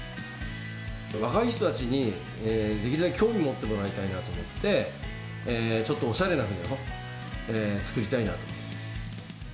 若い人たちにできるだけ興味持ってもらいたいなと思って、ちょっとおしゃれな船を造りたいな。